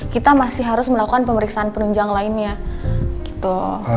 kita masih harus melakukan pemeriksaan penunjang lainnya gitu